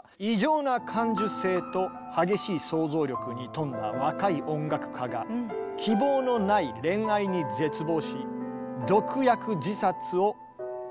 「異常な感受性と激しい想像力に富んだ若い音楽家が希望のない恋愛に絶望し毒薬自殺を図る。